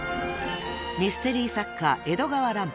［ミステリー作家江戸川乱歩］